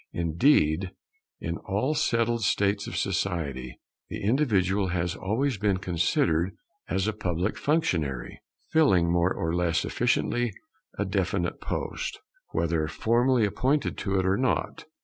Indeed, in all settled states of society, the individual has always been considered as a public functionary, filling more or less efficiently a definite post, whether formally appointed to it or not.